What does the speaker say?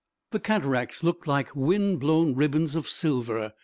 The cataracts looked like wind blown ribbons of silver.